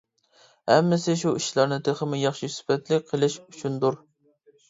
ھەممىسى شۇ ئىشلارنى تېخىمۇ ياخشى سۈپەتلىك قىلىش ئۈچۈندۇر.